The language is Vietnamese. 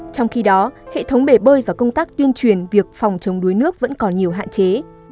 trong khi đó hệ thống bể bơi và công tác tuyên truyền việc phòng chống đuối nước vẫn còn nhiều hạn chế